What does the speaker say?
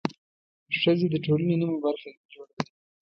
ښځې د ټولنې نميه برخه جوړوي.